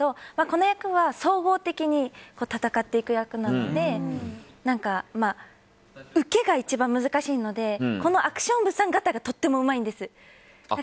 この役は総合的に戦っていく役なので受けが一番難しいのでこのアクション部さん方がとてもうまいんです。